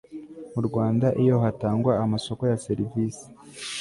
mu rwanda iyo hatangwa amasoko ya serivisi